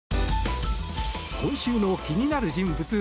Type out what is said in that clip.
今週の気になる人物